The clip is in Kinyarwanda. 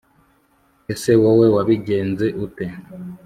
ese wowe wabigenze ute